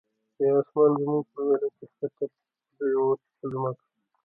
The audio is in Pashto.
یا آسمان زمونږ په ویر کی، ښکته پریوته په ځمکه